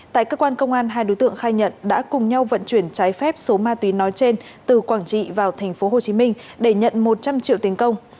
tại cơ quan công an hai đối tượng khai nhận đã cùng nhau vận chuyển trái phép số ma túy nói trên từ quảng trị vào tp hcm để nhận một trăm linh triệu tiền công